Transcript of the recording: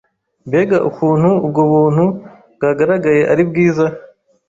Mbega ukuntu ubwo buntu bwagaragaye ari bwiza